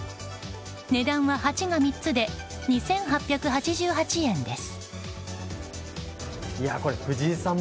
値段は８が３つで２８８８円です。